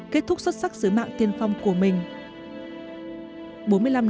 kết thúc xuất sắc sứ mạng tiên phong của mình